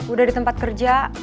udah di tempat kerja